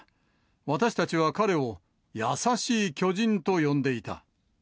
私たちは彼を、優しい巨人と呼んでいた。